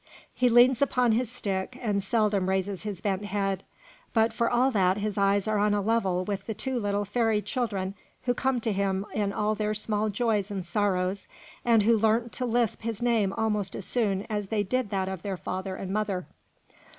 He leans upon his stick, and seldom raises his bent head; but for all that his eyes are on a level with the two little fairy children who come to him in all their small joys and sorrows, and who learnt to lisp his name almost as soon as they did that of their father and mother.